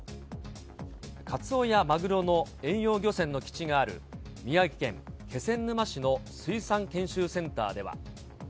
カツオやマグロの遠洋漁船の基地がある宮城県気仙沼市の水産研修センターでは。